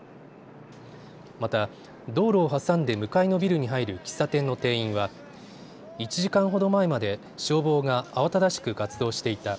また道路を挟んで向かいのビルに入る喫茶店の店員は１時間ほど前まで消防が慌ただしく活動していた。